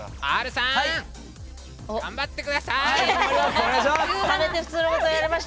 Ｒさん頑張ってください！